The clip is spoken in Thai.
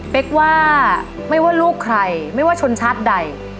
กว่าไม่ว่าลูกใครไม่ว่าชนชาติใด